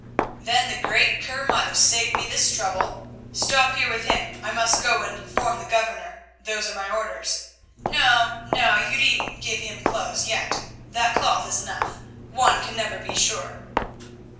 "Then the great cur might have saved me this trouble. Stop here with him. I must go and inform the Governor; those are my orders. No, no, you needn't give him clothes yet—that cloth is enough—one can never be sure."